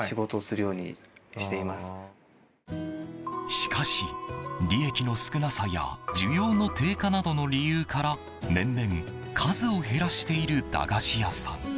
しかし、利益の少なさや需要の低下などの理由から年々、数を減らしている駄菓子屋さん。